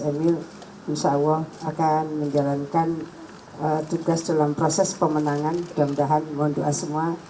emil usahawa akan menjalankan tugas dalam proses pemenangan dan bahan mohon doa semua